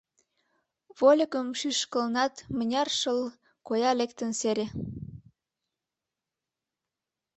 Вольыкым шӱшкылынат, мыняр шыл, коя лектын — сере.